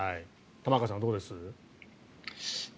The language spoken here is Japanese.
玉川さんどう思います？